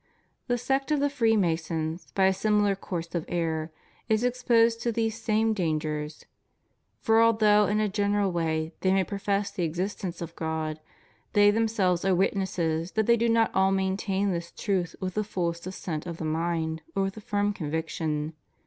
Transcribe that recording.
The sect of the Freemasons, by a similar course of error, is exposed to these same dan gers; for although in a general way they may profess the existence of God, they themselves are witnesses that they do not all maintain this truth with the full assent of the mind or with a firm conviction.